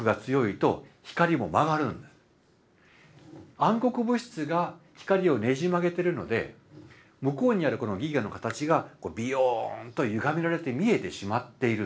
暗黒物質が光をねじ曲げてるので向こうにある銀河の形がビヨーンとゆがめられて見えてしまっているんだと。